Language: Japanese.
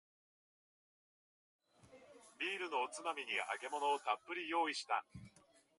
ビールのおつまみに揚げ物をたっぷり用意した